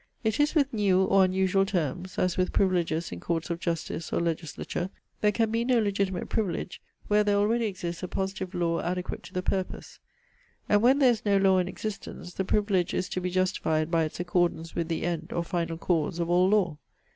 It is with new or unusual terms, as with privileges in courts of justice or legislature; there can be no legitimate privilege, where there already exists a positive law adequate to the purpose; and when there is no law in existence, the privilege is to be justified by its accordance with the end, or final cause, of all law.